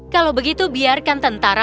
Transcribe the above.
kalau begitu biarkan tentara